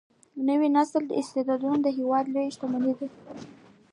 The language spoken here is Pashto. د نوي نسل استعدادونه د هیواد لویه شتمني ده.